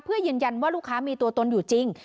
เพื่อยืนยันว่าลูกค้ามีตัวตนอยู่จริง